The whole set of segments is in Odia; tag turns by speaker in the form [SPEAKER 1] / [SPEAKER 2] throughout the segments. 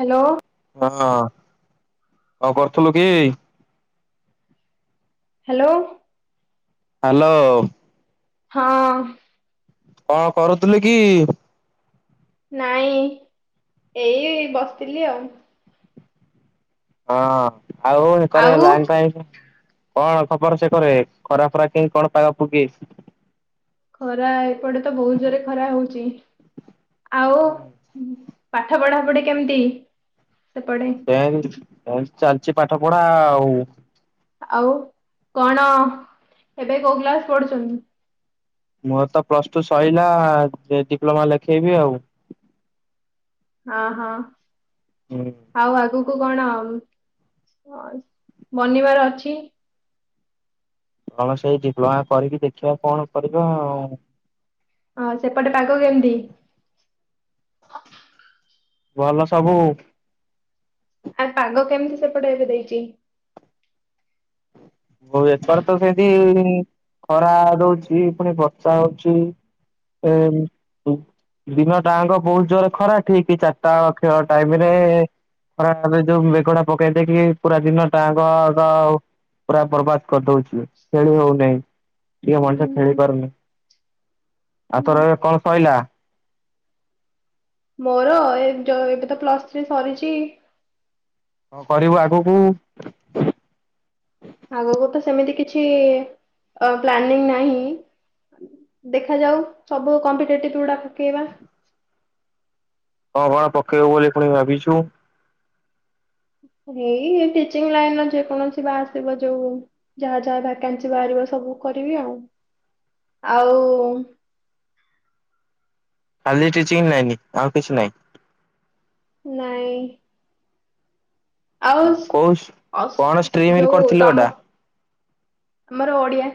[SPEAKER 1] ହ୍ୟାଲୋ
[SPEAKER 2] ହଁ। କଣ କରୁଥିଲୁ କି?
[SPEAKER 1] ହାଲୋ।
[SPEAKER 2] ହାଲୋ।
[SPEAKER 1] ହଁ।
[SPEAKER 2] କଣ କରୁଥିଲୁ କି?
[SPEAKER 1] ନାଇଁ ଏଇ ବସିଥିଲି ଆଉ।
[SPEAKER 2] ହଁ ଆଉ ହେକରେ
[SPEAKER 1] ଆଉ
[SPEAKER 2] ଲାଇନ୍ ଫାଇନ୍ କଣ ଖବର ସେ କରେ। ଖରା ଫରା କିମିତି କଣ ପାଗ ପୁଗି
[SPEAKER 1] ଖରା ଏପଟେ ତ ବହୁତ ଜୋରେ ଖରା ହଉଛି। ଆଉ ପାଠ ପଢା ପଢି କେମତି?
[SPEAKER 2] ସେମତି ସେମତି ଚାଲିଚି ପାଠ ପଢା ଆଉ।
[SPEAKER 1] ଆଉ କଣ ଏବେ କୋଉ କ୍ଲାସ ପଢୁଛନ୍ତି।
[SPEAKER 2] ମୋର ତ ପ୍ଲସ ଟୁ ସଇଲା ଏ ଡିପ୍ଲୋମା ଲେଖେଇବି ଆଉ।
[SPEAKER 1] ଅହଁ
[SPEAKER 2] ହୁଁ
[SPEAKER 1] ଆଉ ଆଗୁ କୁ କଣ ଅ ବନିବାର ଅଛି।
[SPEAKER 2] କଣ ସେଇ ଡିପ୍ଲୋମା କରିକି, ଦେଖିବା କଣ କରିବା ଆଉ।
[SPEAKER 1] ହଁ ସେପଟେ ପାଗ କେମିତି
[SPEAKER 2] ଭଲ ସବୁ।
[SPEAKER 1] ଆ ପାଗ କେମିତି ସେପଟେ ଏବେ ଦେଇଚି
[SPEAKER 2] ହୋଉ ଏଥର ତ ସେମିତି ଖରା ଦୋଉଛି ପୁଣି ବର୍ଷା ହୋଉଚି। ସେମ୍ [unintelligible] ଦିନ ଟାଙ୍କ ବହୁତ ଜୋର ଖରା! ଠିକ୍ ଚାରିଟା ବେଳ ଖେଳ ଟାଇମ ରେ ଖରା ପରେ ଯୋଉ ମେଘୁଡା ପକେଇ ଦେଇକି ପୁରା ଦିନ ଟାଙ୍କ ତ ପୁରା ବରବାଦ କରିଦଉଛି। ଖେଳି ହଉନାହିଁ ଟିକେ ମଣିଷ ଖେଳି ପାରୁନି। ଆଉ ତୋର ଏ କଣ ସଇଲା?
[SPEAKER 1] ମୋର ଏ ଯ ଏବେ ତ ପ୍ଲସ ଥ୍ରୀ ସରିଛି।
[SPEAKER 2] କ କରିବୁ ଆଗକୁ?
[SPEAKER 1] ଆଗକୁ ତ ସେମିତି କିଛି ଅ ପ୍ଲାନିଂ ନାହିଁ। ଦେଖାଯାଉ, ସବୁ କମ୍ପିଟେଟିଭ ଗୁଡା ପକେଇବା।
[SPEAKER 2] ହଁ କଣ ପକେଇବୁ ବୋଲି ଭାବିଛୁ? ହ [inaudible]
[SPEAKER 1] ଏଇ ଟିଚିଂ ଲାଇନ ର ଯେକୌଣସି ବା ଆସିବ ଯୋଉ, ଯାହା ଯାହା ଭ୍ୟାକାନ୍ସି ବାହାରିବ ସବୁ। କରିବି ଆଉ ଆଉ
[SPEAKER 2] [inaudible] ଖାଲି ଟିଚିଂ ଲାଇନି ଆଉ କିଛି ନାହିଁ।
[SPEAKER 1] ନାଇଁ। ଆଉସ୍
[SPEAKER 2] କୋଉ କଣ
[SPEAKER 1] ଅଷ୍ଟ ଅସ୍
[SPEAKER 2] ଷ୍ଟ୍ରିମରେ
[SPEAKER 1] ଯୋଉ
[SPEAKER 2] କରିଥିଲୁ ଏଟା
[SPEAKER 1] ତମ ଆମର ଓଡିଆ।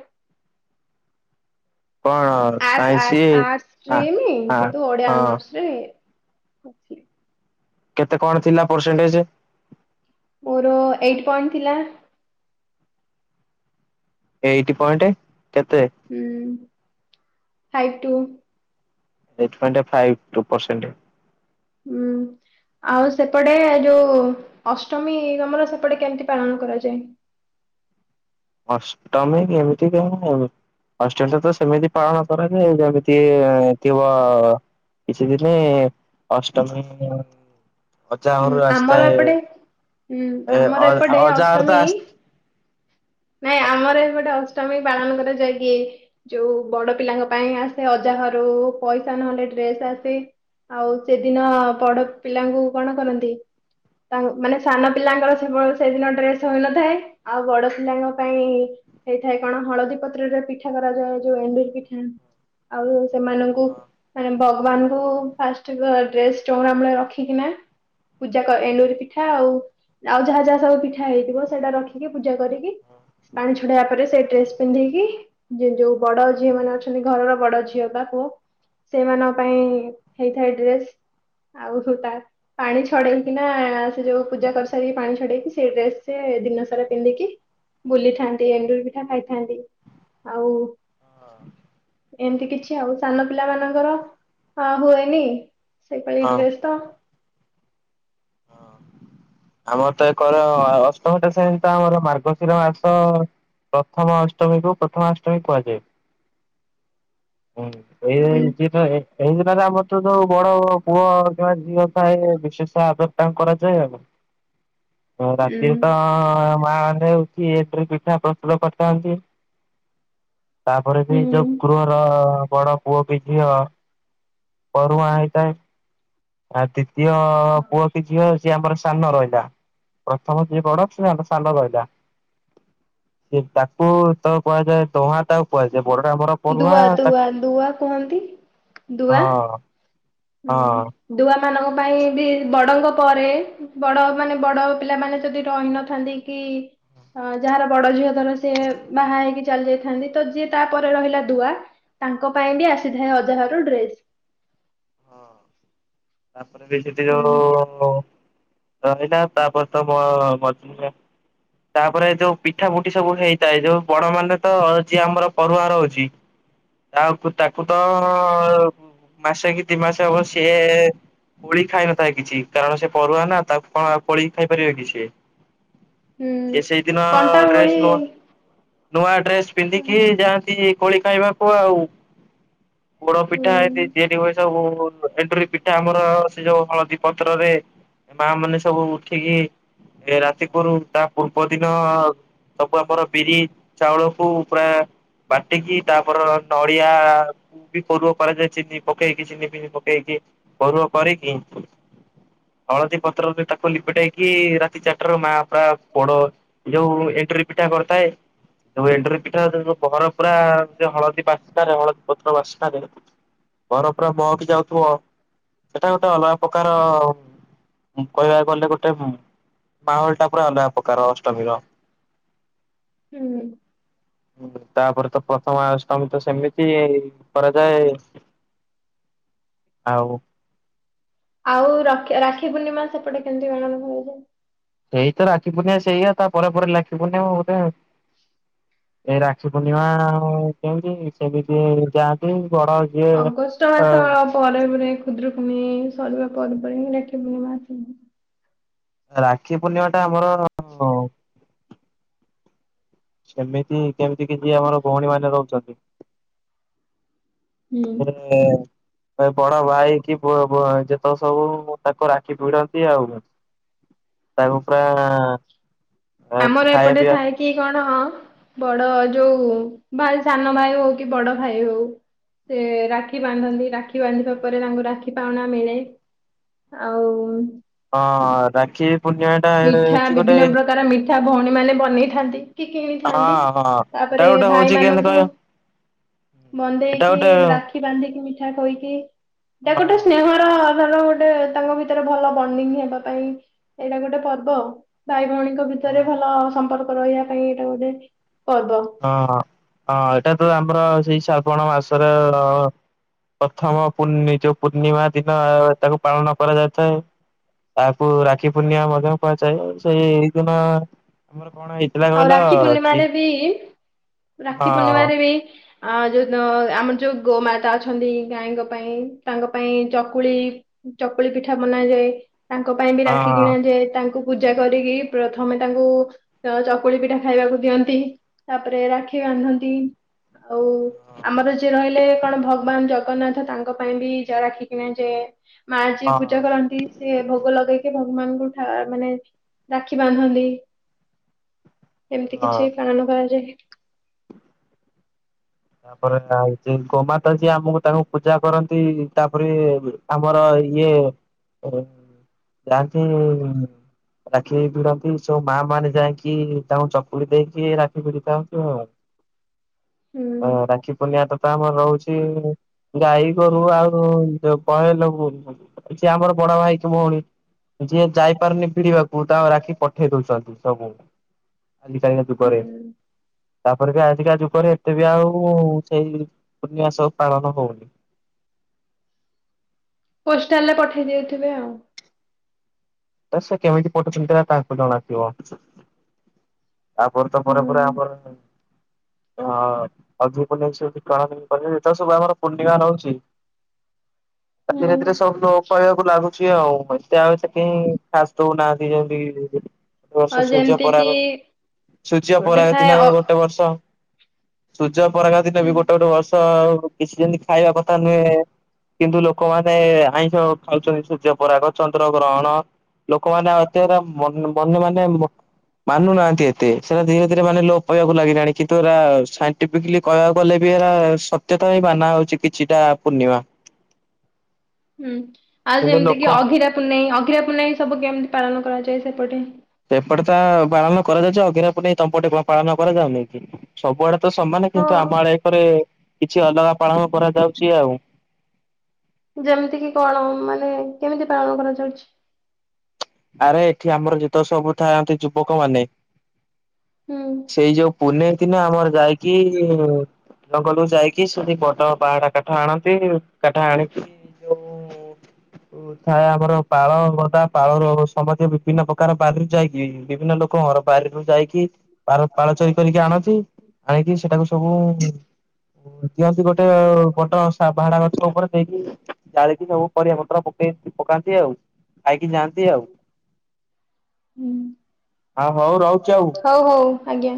[SPEAKER 2] କଣ
[SPEAKER 1] ଆର୍ଟ୍ସ
[SPEAKER 2] ସାଇନ୍ସ
[SPEAKER 1] ଆର୍ଟ୍ସ ଆର୍ଟ୍ସ
[SPEAKER 2] ଆ
[SPEAKER 1] ଷ୍ଟ୍ରିମ୍!
[SPEAKER 2] ଆ
[SPEAKER 1] କିନ୍ତୁ ଓଡିଆ
[SPEAKER 2] ହଁ
[SPEAKER 1] ଅନର୍ଶରେ [inaudible]
[SPEAKER 2] କେତେ କଣ ଥିଲା ପରସେଣ୍ଟେଜ?
[SPEAKER 1] ମୋର ଏଇଟ ପଣ୍ଟ ଥିଲା।
[SPEAKER 2] ଏଇତ ପଏଣ୍ଟ କେତେ?
[SPEAKER 1] Five two.
[SPEAKER 2] ଏଇଟ୍ ପ ଏନ୍ ଫାଇ ଟୁ ପରସେଣ୍ଟ
[SPEAKER 1] ହୁଁ, ଆଉ ସେପଟେ ଯୋଉ ଓ ଅଷ୍ଟମୀ ତମ ର ସେପଟେ କେମିତି ପାଳନ କରାଯାଏ?
[SPEAKER 2] ଅଷ୍ଟମୀ ବି ଏ ମିତି ଆଉ [unintelligible] ଅଷ୍ଟମୀ ତ ସେମିତି ପାଳନ କରାଯାଏ, ଯିଏ ଥିବ କିଛି ଦିନି ଅଷ୍ଟମୀ ଅଜା
[SPEAKER 1] ଉଁ
[SPEAKER 2] ଘର
[SPEAKER 1] ଆମର
[SPEAKER 2] ଆସିଥାଏ
[SPEAKER 1] ଏପଟେ ହୁଁ
[SPEAKER 2] ଏ
[SPEAKER 1] ଆମର ଏପଟେ
[SPEAKER 2] ଅଜାହର
[SPEAKER 1] ଅଷ୍ଟମୀ
[SPEAKER 2] ତ ଆସି [inaudible]
[SPEAKER 1] ନାଇଁ, ଆମର ଏ ପଟେ ଅଷ୍ଟମୀ ପାଳନ କରାଯାଇକି, ଯୋଉ ବଡ ପିଲାଙ୍କ ପାଇଁ ଆସେ ଅଜାହ ଘରୁ ପଇସା ଟା ମେନ୍ଦେଟରି ଡ୍ରେସ୍ ଆସେ ଆଉ ସେଦିନ ବଡ ପିଲାଙ୍କୁ କଣ କରନ୍ତି ତା ମାନେ ସାନ ପିଲାଙ୍କର ସେ ସେଦିନ ଡ୍ରେସ ହୋଇନଥାଏ ଆଉ ବଡ ପିଲାଙ୍କ ପାଇଁ ହେଇଥାଏ, କଣ ହଳଦୀ ପତ୍ରରେ ପିଠା କରାଯାଏ ଯୋଉ ଏଣ୍ଡୁରି ପିଠା ଆଉ ସେମାନଙ୍କୁ, ମାନେ ଭଗବାନଙ୍କୁ ଫାଷ୍ଟ ଡ୍ରେସ୍ ଚଉରା ମୂଳେ ରଖିକିନା ପୂଜା ଏଣ୍ଡୁରି ପିଠା ଆଉ ଆଉ ଯାହା ଯାହା ସବୁ ପିଠା ହେଇଥିବ, ସେଇଟା ରଖିକି ପୂଜା କରିକି ପାଣି ଛଡେଇବା ପରେ ସେଇ ଡ୍ରେସ ପିନ୍ଧିକି ଯୋଉ ବଡ ଝିଅ ମାନେ ଅଛନ୍ତି ଘରର ବଡ ଝିଅ ବା ପୁଅ ସେମାନଙ୍କ ପାଇଁ ହେଇଥାଏ, ଡ୍ରେସ ଆଉ ସବୁ ତା ପାଣି ଛଡେଇକି ନା ସେ ଯୋଉ ପୂଜା କରିସାରି ପାଣି ଛଡେଇକି ସେଇ ଡ୍ରେସ ସେ ଦିନ ସାରା ପିନ୍ଧିକି ବୁଲିଥାନ୍ତି, ଏଣ୍ଡୁରି ପିଠା ଖାଇଥାନ୍ତି ଆଉ
[SPEAKER 2] ହଁ [inaudible]
[SPEAKER 1] ଏମିତି କିଛି ଆଉ ସାନ ପିଲା ମାନଙ୍କର ହ ହୁଏନି ସେଇପାଳି
[SPEAKER 2] ହଁ।
[SPEAKER 1] ଡ୍ରେସ ତ
[SPEAKER 2] ହଁ [inaudible] ଆମର ତ ଏକର ଅଷ୍ଟମ ଶ୍ରେଣୀ ତ ଆମର ମାର୍ଗଶିର ମାସ ପ୍ରଥମ ଅଷ୍ଟମୀକୁ ପ୍ରଥମାଷ୍ଟମୀ କୁହାଯାଏ। ହୁଁ ଏଇଟା
[SPEAKER 1] ଉଁ
[SPEAKER 2] ଇଜୀ ତ ଏଇ ଦିନରେ ଆମ ଯୋଉ ବଡ ପୁଅ କିମ୍ବା ଝିଅ ଥାଏ ବିଶେଷ ଆଦର ତାଙ୍କ କରାଯାଏ ଆଉ ହଁ
[SPEAKER 1] ହୁଁ
[SPEAKER 2] ରାଷ୍ଟ୍ରୀୟତା ଆ ଆ ମା ରାନ୍ଧେ ଆଉ କିଏ ଏଥିରେ ପିଠା ପ୍ରସ୍ତୁତ କରିଥାନ୍ତି। ତାପରେ
[SPEAKER 1] ହୁଁ
[SPEAKER 2] ବି ଯୋଉ କୁରୁଅ ବଡ ପୁଅ ବି ଝିଅ ପରୁହାଁ ହେଇଥାଏ। ଆଉ ଦ୍ଵିତୀୟ ପୁଅ କି ଝିଅ ସିଏ ଆମର ସାନ ରହିଲା। ପ୍ରଥମ ଯିଏ ବଡ଼ ଆଉ ସେ ସାନ ରହିଲା। ସେ ତାକୁ ତ କୁହାଯାଏ ଦୁହାଁ ତାକୁ କୁହାଯାଏ। ବଡଟା ଆମର ପରୁହାଁ
[SPEAKER 1] ଦୁଆ
[SPEAKER 2] ହଁ ଅଁ
[SPEAKER 1] ଦୁଆ ଦୁଆ କୁହନ୍ତି ଦୁଆ
[SPEAKER 2] ହଁ ଅଁ
[SPEAKER 1] ହୁଁ ଦୁଆ ମାନଙ୍କ ପାଇଁ ବି ବଡଙ୍ଗ ପରେ ବଡ ମାନେ ବଡ ପିଲାମାନେ ଯଦି ରହିନଥାନ୍ତି କି ହଁ ଯାହାର ବଡ ଝିଅ ଧର ସିଏ ବାହା ହେଇକି ଚାଲି ଯାଇଥାନ୍ତି ତ ଯିଏ ତାପରେ ରହିଲା ଦୁଆ ତାଙ୍କ ପାଇଁ ବି ଆସିଥାଏ ଅଜାଘରୁ ଡ୍ରେସ।
[SPEAKER 2] ହଁ ତାପରେ ବି ସେଠି ଯୋଉ
[SPEAKER 1] ହୁଁ।
[SPEAKER 2] ରହିଲା ତାପରେ ତ ମୁ ମଝିଆ ତାପରେ ଯୋଉ ପିଠା ପୁଠି ସବୁ ହେଇଥାଏ ଯୋଉ ବଡ ମାନେ ତ ଅଛି ଆମର ପରୁଆ ରହୁଛି ଆଉ ତାକୁ ତ ଅ ମାସ କି ଦି ମାସ ହବ ସିଏ କୋଳି ଖାଇନଥାଏ କିଛି କାରଣ ସେ ପରରୁଆ ନା ତା କଣ କୋଳି ଖାଇପାରିବେ କି ସେ
[SPEAKER 1] ହୁଁ
[SPEAKER 2] ଇଏ ସେଇ ଦିନ
[SPEAKER 1] କଣ୍ଟା
[SPEAKER 2] ଡ୍ରେସ୍
[SPEAKER 1] ଓଳି
[SPEAKER 2] ନୁଆ ଡ୍ରେସ୍ ପିନ୍ଧିକି ଯାଆନ୍ତି କୋଳି ଖାଇବାକୁ ଆଉ ପୋଡ
[SPEAKER 1] ହୁଁ
[SPEAKER 2] ପିଠା ଏତି ତିଆରିହୁଏ ସବୁ। ଏଣ୍ଡୁରି ପିଠା ଆମର ସେ ଯୋଉ ହଳଦୀ ପତ୍ରରେ ମା ମାନେ ସବୁ ଉଠିକି ଏ ରାତି କରୁ ଟା ପୂର୍ବ ଦିନ ସବୁ ଆମର ବିରି ଚାଉଳକୁ ପୁରା ବାଟିକି ତାପରେ ନଡିଆ ବି କୋରୁଅ କରାଯାଏ ଚିନି ପକେଇକି ଚିନି ଫିନି ପକେଇକି। ପୋରୂହ କରିକିି ହଳଦୀ ପତ୍ର ତାକୁ ଲିପିଟେଇକି ରାତି ଚାରିଟାରୁ ମା ପୁରା ପୋଡ ଯୋଉ ଏଣ୍ଡରୀ ପି ଠା କରୁଥାଏ। ଏଣ୍ଡୁରୀ ପିଠା ଯଉ ଘର ପୁରା ଯ ହଳଦୀ ବାସ୍ନାରେ ହଳଦୀ ପତ୍ର ବାସ୍ନାରେ ଘର ପୁରା ମହକି ଯାଉଥିବ ସେଟା ଗୁଟେ ଅଲଗା ପ୍ରକାର କହିବାକୁ ଗଲେ ଗୋଟେ ମାହୋଲ ଟା ପୁରା ଅଲଗା ପ୍ରକାର ଅଷ୍ଟମୀର
[SPEAKER 1] ହୁଁ,
[SPEAKER 2] ତାପରେ ତ ପ୍ରଥମାଷ୍ଟମୀ ତ ସେମିତି କରାଯାଏ। ଆଉ,
[SPEAKER 1] ଆଉ ରକ୍ଷା ରାକ୍ଷୀ ପୂର୍ଣ୍ଣିମା ସେପଟେ କେମତି ମନା ଯାଏ।
[SPEAKER 2] ସେଇତ ରାକ୍ଷୀ ପୁର୍ଣ୍ଣିମା ସେଇଆ ତାପରେ ପରେପ ଲାଖି ପୁନି ବୋଧେ ଏଇ ରାକ୍ଷୀ ପୂର୍ଣ୍ଣିମା କେଉତି ସେମିତି ଯାଆନ୍ତି। ବଡ ଯିଏ
[SPEAKER 1] ଅଗଷ୍ଟ
[SPEAKER 2] ଅ
[SPEAKER 1] ମାସ ପରେ ପରେ ଖୁଦୁରୁକୁଣି ସରିବା ପର୍ବ ହିଁ ରାକ୍ଷୀପୂର୍ଣିମା ଅଛି।
[SPEAKER 2] ରାକ୍ଷୀ ପୂର୍ଣ୍ଣିମା ଟା ଆମର ସେମିତି କେମିତି କି ଯିଏ ଆମର ଭଉଣୀ ମାନେ ରହୁଛନ୍ତି।
[SPEAKER 1] ହୁଁ।
[SPEAKER 2] ମ [inaudible] ବଡ଼ ଭାଇକି ପ ପ ଯେତେକ ସବୁ ତାଙ୍କୁ ରାଖୀ ଭିଡନ୍ତି ଆଉ ତାରୁପା
[SPEAKER 1] ଆମର ଏପଟେ ଥାଏ କି କଣ ବଡଭାଉ ଯୋଉ ଭାଇ ସାନ ଭାଇ ହଉ କି ବଡ ଭାଇ ହଉ ରେ ରାକ୍ଷୀ ବାନ୍ଧନ୍ତି ରାକ୍ଷୀ ବାନ୍ଧିବା ପରେ ତାଙ୍କୁ ରାକ୍ଷୀ ପାଉଣା ମିଳେ। ଆଉ?
[SPEAKER 2] ହଁ ରାକ୍ଷୀ ପୂର୍ଣ୍ଣିମା ଟା
[SPEAKER 1] ମିଠା
[SPEAKER 2] ହଉଛି ଗୋଟେ
[SPEAKER 1] ବିଭିନ୍ନ ପ୍ରକାର ମିଠା ଭଉଣୀ ମାନେ ବନେଇଥାନ୍ତି କି
[SPEAKER 2] ହଁ
[SPEAKER 1] କିଣିଥାନ୍ତି
[SPEAKER 2] ହଁ ଏଟା
[SPEAKER 1] ତାପରେ
[SPEAKER 2] ଗୋଟେ ହଉଛି କେ କହ?
[SPEAKER 1] ବନ୍ଧେଇକି ରାକ୍ଷୀ ବାନ୍ଧିକି ମିଠା ଖୋଇକି ଯାକୁ
[SPEAKER 2] ହଁ
[SPEAKER 1] ଗୋଟେ ସ୍ନେହର ଭ ଗୋଟେ ତାଙ୍କ ଭିତରେ ଭଲ ବଣ୍ଡିଙ୍ଗ ହେବା ପାଇଁ ଏଇଟା ଗୋଟେ ପର୍ବ ଆଉ। ଭାଇ ଭଉଣୀଙ୍କ
[SPEAKER 2] ହଁ
[SPEAKER 1] ଭିତରେ ଭଲ ସମ୍ପର୍କ ରହିବା ପାଇଁ ଏଇଟା ଗୋଟେ ପର୍ବ
[SPEAKER 2] ହଁ ହଁ ଏଇଟା ତ ଆମର ସେଇ ଶ୍ରାବଣ ମାସର ପ୍ରଥମ ପୂର୍ଣି ଯୋଉ ପୂର୍ଣ୍ଣିମା ଦିନ ତାକୁ ପାଳନ କରାଯାଇଥାଏ। ତାକୁ ରାକ୍ଷୀ ପୂର୍ଣ୍ଣିମା ମଧ୍ୟ କୁହାଯାଏ। ସେଇ ଏଇ ଦିନ ଆମର କଣ ଏଇଥିଲା
[SPEAKER 1] ଆଉ
[SPEAKER 2] କହିଲ
[SPEAKER 1] ରାକ୍ଷୀ
[SPEAKER 2] ଛି
[SPEAKER 1] ପୂର୍ଣ୍ଣିମାରେ ବି ରାକ୍ଷୀ ପୂର୍ଣ୍ଣିମାରେ ବି। ଆ ଯୋଉ ଆମର ଯୋଉ ଗୋମାତା ଅଛନ୍ତି ଗାଈଙ୍କ ପାଇଁ ତାଙ୍କ ପାଇଁ ଚକୁଳି ଚକୁଳି ପିଠା ବନାଯାଏ। ତାଙ୍କ ପାଇଁ ବି ରାକ୍ଷୀ
[SPEAKER 2] ହଁ।
[SPEAKER 1] କିିଣା ଯେ ତାଙ୍କୁ ପୂଜା କରିକି ପ୍ରଥମେ ତାଙ୍କୁ ତ ଚକୁଳି ପିଠା ଖାଇବାକୁ ଦିଅନ୍ତି ତାପରେ ରାକ୍ଷୀ ବାନ୍ଧନ୍ତି। ଆଉ ଆମର ଯିଏ ରହିଲେ କଣ ଭଗବାନ ଜଗନ୍ନାଥ ତାଙ୍କ ପାଇଁ ବି ଜା ରାଖିକିନା ଯାଏ। ମା
[SPEAKER 2] ହଁ
[SPEAKER 1] ଯିଏ ପୂଜା କରନ୍ତି ସିଏ ଭୋଗ ଲଗେଇକି ଭଗବାନଙ୍କୁ ମାନେ ରାକ୍ଷୀ ବାନ୍ଧନ୍ତି। ଏମିତି କିଛି
[SPEAKER 2] ହଁ।
[SPEAKER 1] ପାଳନ କରାଯାଏ।
[SPEAKER 2] ତାପରେ ଆଉ ଗୋମାତା ଯିଏ ଆମକୁ ତାଙ୍କୁ ପୂଜା କରନ୍ତି ତାପରେ ଆମର ଇଏ [unintelligible] ଯାଆନ୍ତି। ରାକ୍ଷୀ ଭିଡନ୍ତି ସବୁ ମା ମାନେ ଯାଇକି ତାଙ୍କୁ ଚକୁଳି ଦେଇକି ରାକ୍ଷୀ ଭିଡ଼ି ଥାନ୍ତି ଆଉ। [inaudible]
[SPEAKER 1] ହୁଁ
[SPEAKER 2] ଅ ରାକ୍ଷୀ ପୂର୍ଣ୍ଣିଆ ତ ଆମର ରହୁଛି ଗାଈ ଗୋରୁ ଆଉ କହେଲବୁ। [unintelligible] ସେ ଆମର ବଡ ଭାଇ କି ଭଉଣୀ। ଯିଏ ଯାଇପାରୁନି ଭିଡିବାକୁ ତାକୁ ରାଖି ପଠେଇ ଦଉଛନ୍ତି ସବୁ। ଆଜିକା ଯୁଗରେ
[SPEAKER 1] ହୁଁ
[SPEAKER 2] ତାପରେ କି ଆଜିକା ଯୁଗରେ ତେବେ ଆଉ ସେଇ ପୂର୍ଣ୍ଣିମା ସବୁ ପାଳନ ହଉନି। [inaudible]
[SPEAKER 1] ପୋଷ୍ଟାଲ ରେ ପଠେଇଦଉଥିବେ ଆଉ।
[SPEAKER 2] ତ ସେ କେମିତି ଫୋଟ ଚିନ୍ତି ତାକୁ ଜଣାଥିବ। ତାପରେ ତ ପରେ ପରେ
[SPEAKER 1] ହୁଁ।
[SPEAKER 2] ଆମର ଅ [unintelligible] ସବୁ ଆମର ପୂର୍ଣ୍ଣିମା ରହୁଛି। ଧୀରେ
[SPEAKER 1] ହୁଁ।
[SPEAKER 2] ଧୀରେ ସବୁ ଲ କହିବାକୁ ଲାଗୁଛି ଆଉ ମେ ଆଉ ସେକ ଖାସି ଦୌନାହାନ୍ତି ଯେମିତିକି ଗୋଟେ ବର୍ଷ
[SPEAKER 1] ଆଉ ଯେମିତି କିି
[SPEAKER 2] ସୂର୍ଯ୍ୟପରାଗ
[SPEAKER 1] ଗୋଟେ
[SPEAKER 2] ସୂର୍ଯ୍ୟପରାଗ
[SPEAKER 1] ଥାଏ
[SPEAKER 2] ଦିନ
[SPEAKER 1] ଅ
[SPEAKER 2] ଗୋଟେ ବର୍ଷ ସୂର୍ଯ୍ୟପରାଗ ଦିନ ବି
[SPEAKER 1] ହୁଁ
[SPEAKER 2] ଗୋଟେ ଗୋଟେ ବର୍ଷ କିଛି ଯେମିତି ଖାଇବା କଥା ନୁହେଁ। କିନ୍ତୁ ଲୋକମାନେ ଆଇଁଷ ଖାଉଛନ୍ତି ସୂର୍ଯ୍ୟପରାଗ ଚନ୍ଦ୍ର ଗ୍ରହଣ। ଲୋକମାନେ [unintelligible] ମନ ମାନେ ମାନୁନାହାନ୍ତି ଏତେ ସେଟା ଧୀରେ ଧୀରେ ମାନେ ଲୋପ ପାଇବାକୁ ଲାଗିଲାଣି କିନ୍ତୁ ଏଟା ସାଇଣ୍ଟିଫିକଲି କହିବାକୁ ଗଲେ ବି ସତ୍ୟତା ହ ମାନା ହଉଛି କିଛିଟା ପୂର୍ଣ୍ଣିମା।
[SPEAKER 1] ହୁଁ ଆଉ
[SPEAKER 2] କିନ୍ତୁ
[SPEAKER 1] ଯେମିତି
[SPEAKER 2] ଲୋକ
[SPEAKER 1] କି ଅଘିରା ପୂନେଇ ଅଘିରା ପୂନେଇ ସବୁ କେମିତି ପାଳନ କରାଯାଏ ସେପଟେ?
[SPEAKER 2] ଏପଟେ ତା ପାଳନ କରାଯାଉଛି ଅଗିରା ପୁନେଇ ତମପଟେ ପାଳନ କରାଯାଉନାଇି କି ସବୁଆଡେ? ତ ସମାନେ
[SPEAKER 1] ହଁ
[SPEAKER 2] କିନ୍ତୁ ଆମ ଆଡରେ କିଛି ଅଲଗା ପାଳନ କରାଯାଉଛି ଆଉ।
[SPEAKER 1] ଯେମିତି କି କଣ ମାନେ କେମିତି ପାଳନ କରାଯାଉଛି?
[SPEAKER 2] ଆରେ ଏଠି ଆମର ଯେତେ ସବୁ ଥାଆନ୍ତି ଯୁବକ ମାନେ।
[SPEAKER 1] ହୁଁ।
[SPEAKER 2] ସେଇ ଯୋଉ ପୁନେଇ ଦିନ ଆମର ଯାଇକି ଇ ଲଙ୍ଗଲକୁ ଯାଇକି ସେଠି ବଡ ବାହାଟା କାଠ ଆଣନ୍ତି କାଠ ଆଣିକି ଯୋଉ ଥାଏ ଆମର ପାଳ ଗଦା ପାଳର ଅବସ୍ ସମସ୍ତ ବିଭିନ୍ନ ପ୍ରକାର ବାହାରରୁ ଯାଇକି ବିଭିନ୍ନ ଲୋକଙ୍କର ବାରିରୁ ଯାଇକି ାର ପାଳ ଚୋରି କରିକି ଆଣଛି ଆଣିକି ସେଟାକୁ ସବୁ ଦିଅନ୍ତି ଗୋଟେ ବଡ ବାହାଡା ଗଛ ଉପରେ ନେଇକି ଜାଳିକି ଯବୁ ପର ପ୍ର ପକାନ୍ତି ଆଉ ଖାଇକି ଯାଆନ୍ତି ଆଉ।
[SPEAKER 1] ହୁଁ
[SPEAKER 2] ଆ ହଉ ରହୁଛି ଆଉ।
[SPEAKER 1] ହଉ ହଉ ଆଜ୍ଞା।